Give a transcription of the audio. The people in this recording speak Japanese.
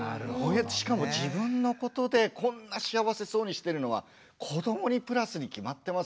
しかも自分のことでこんな幸せそうにしてるのは子どもにプラスに決まってますよね。